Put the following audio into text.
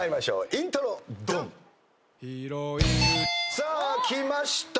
さあきました